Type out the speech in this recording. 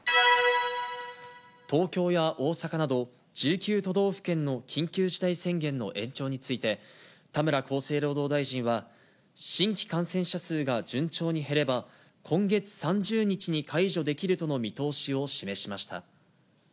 東京や大阪など１９都道府県の緊急事態宣言の延長について、田村厚生労働大臣は、新規感染者数が順調に減れば、今月３０日に解除できるとの見通しを示しました。